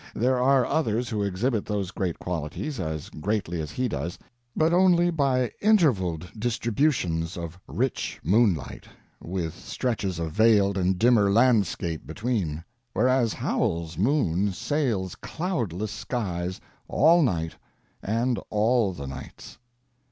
There are others who exhibit those great qualities as greatly as he does, but only by intervaled distributions of rich moonlight, with stretches of veiled and dimmer landscape between; whereas Howells's moon sails cloudless skies all night and all the nights.